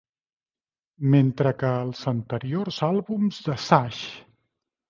Mentre que els anteriors àlbums de Sash!